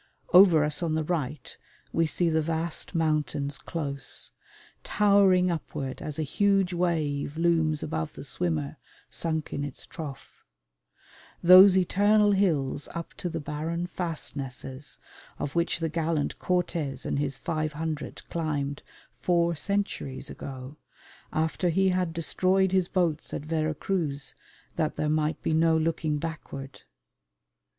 Over us on the right we see the vast mountains close, towering upward as a huge wave looms above the swimmer sunk in its trough, those eternal hills up to the barren fastnesses of which the gallant Cortes and his five hundred climbed four centuries ago, after he had destroyed his boats at Vera Cruz that there might be no looking backward.